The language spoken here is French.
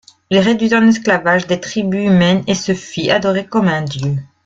Il réduisit en esclavage des tribus humaines et se fit adorer comme un dieu.